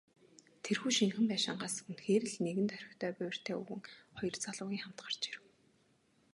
Тэрхүү шинэхэн байшингаас үнэхээр л нэгэн тохитой буурьтай өвгөн, хоёр залуугийн хамт гарч ирэв.